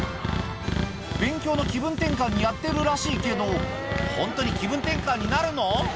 勉強の気分転換にやってるらしいけど、本当に気分転換になるの？